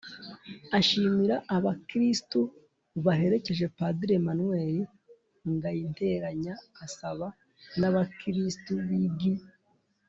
ashimira abakristu baherekeje padiri emmanuel ngayinteranya asaba n’abakirisitu b’i g